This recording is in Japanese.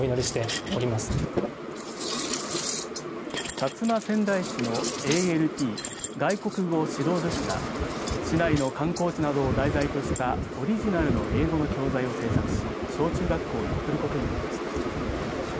薩摩川内市のＡＬＴ＝外国語指導助手が市内の観光地などを題材としたオリジナルの英語の教材を制作し小中学校に贈ることになりました。